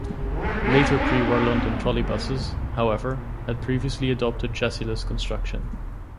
Later pre-war London trolleybuses, however, had previously adopted chassisless construction.